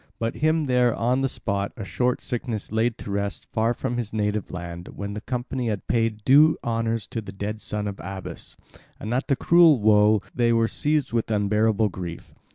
But him there on the spot a short sickness laid to rest far from his native land, when the company had paid due honours to the dead son of Abas. And at the cruel woe they were seized with unbearable grief.